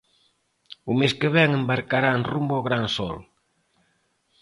O mes que vén embarcarán rumbo ao Gran Sol.